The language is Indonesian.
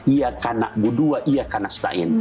ia kanak buduwa ia kanak sain